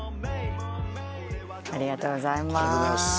ありがとうございます。